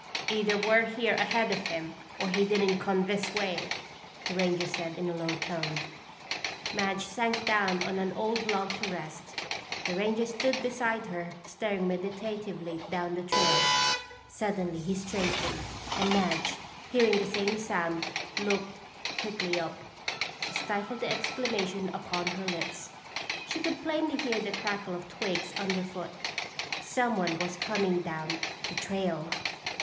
"Either we're here ahead of him, or he didn't come this way," the ranger said in a low tone. Madge sank down on an old log to rest. The ranger stood beside her staring meditatively down the trail. Suddenly he straightened, and Madge, hearing the same sound, looked quickly up. She stifled the exclamation upon her lips. She could plainly hear the crackle of twigs underfoot. Someone was coming down the trail!